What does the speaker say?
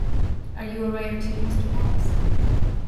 Are you a writer too, Mr. Pats?